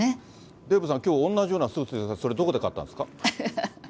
デーブさん、きょう、同じようなスーツですが、それ、どこで買ったんですか？